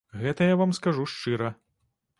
Гэта я вам скажу шчыра.